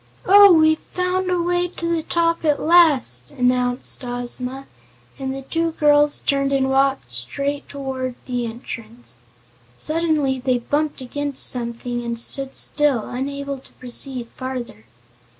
"Oh, we've found a way to the top at last," announced Ozma, and the two girls turned and walked straight toward the entrance. Suddenly they bumped against something and stood still, unable to proceed farther.